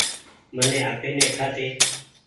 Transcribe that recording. مني آپي ني کآ ۮي۔